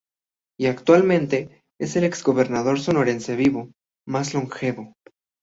Y actualmente es el ex-gobernador sonorense vivo, más longevo.